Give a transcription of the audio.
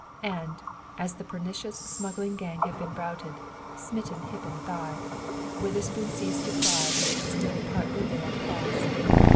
And, as the pernicious smuggling gang had been routed, "smitten hip and thigh," Witherspoon ceased to pry into the still partly veiled past.